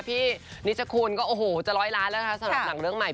นิชคุณก็โอ้โหจะร้อยล้านแล้วนะคะสำหรับหนังเรื่องใหม่